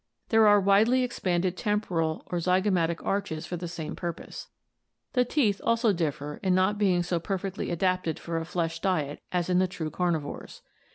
There are widely expanded temporal or zygomatic arches for the same purpose. The teeth also differ in not being so perfectly adapted for a flesh diet as in the true carnivores.